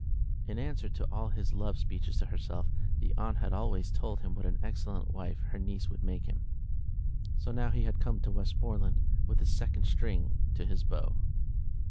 In answer to all his love speeches to herself, the aunt had always told him what an excellent wife her niece would make him. So now he had come to Westmoreland with this second string to his bow.